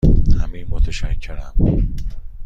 همین، متشکرم.